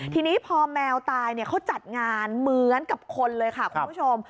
ทีนี้พอแมวตายเขาจัดงานเหมือนกับคนเลยค่ะคุณผู้ชม